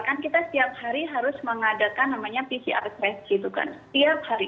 kan kita setiap hari harus mengadakan namanya pcr test gitu kan setiap hari